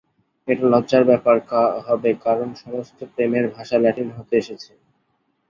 এটা লজ্জার ব্যাপার হবে কারন সমস্ত প্রেমের ভাষা ল্যাটিন হতে এসেছে।